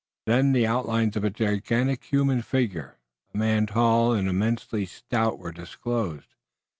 Then the outlines of a gigantic human figure, a man tall and immensely stout, were disclosed.